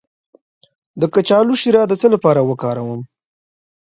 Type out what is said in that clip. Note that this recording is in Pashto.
د کچالو شیره د څه لپاره وکاروم؟